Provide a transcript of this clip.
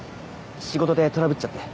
仕事でトラブっちゃって。